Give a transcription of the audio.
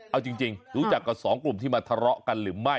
เอาจริงรู้จักกับสองกลุ่มที่มาทะเลาะกันหรือไม่